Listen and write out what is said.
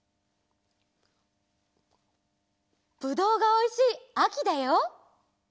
ぶどうがおいしいあきだよ！